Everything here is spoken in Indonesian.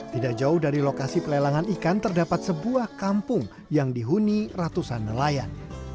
tidak jauh dari lokasi pelelangan ikan terdapat sebuah kampung yang dihuni ratusan nelayan